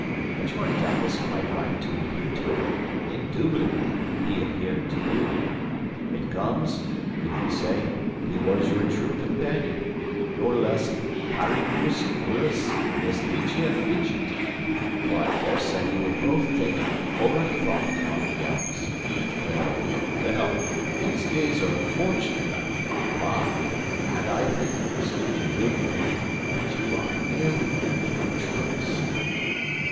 But you are doubtless quite right to adhere to him; indubitably, he adhered to you. It comes we may say he was your true companion; nor less paribus curis vestigia figit, for I dare say you would both take an orra thought upon the gallows. Well, well, these days are fortunately by; and I think (speaking humanly) that you are near the end of your troubles."